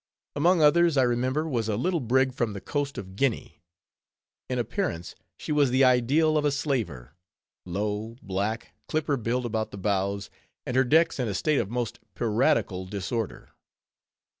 Among others, I remember, was a little brig from the Coast of Guinea. In appearance, she was the ideal of a slaver; low, black, clipper built about the bows, and her decks in a state of most piratical disorder.